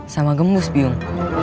sama gembus bium